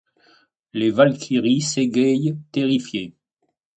Les Walkyries s'égaillent, terrifiées.